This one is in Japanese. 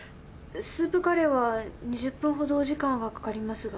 スープカレーは２０分ほどお時間がかかりますが。